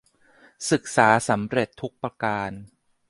ศึกษาสำเร็จทุกประการ